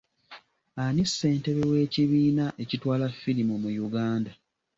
Ani ssentebe w'ekibiina ekitwala firimu mu Uganda?